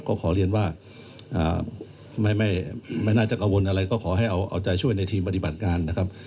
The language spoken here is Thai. ก็ขอเรียนว่าไม่น่าจะกังวลอะไรก็ขอให้เอาใจช่วยในทีมปฏิบัติงานนะครับ